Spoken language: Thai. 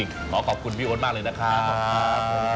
ขอขอบคุณพี่โอ๊ตมากเลยนะครับ